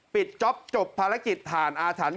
ปิดจ๊อปจบภารกิจถ่านอาถรรพ์